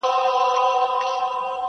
چي د سینې پر باغ دي راسي سېلاوونه--!